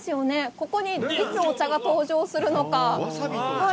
ここに、いつ、お茶が登場するのか。